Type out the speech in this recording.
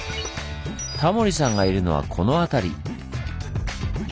タモリさんがいるのはこの辺り。